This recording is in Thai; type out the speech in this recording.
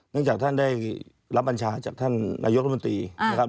จากท่านได้รับบัญชาจากท่านนายกรมนตรีนะครับ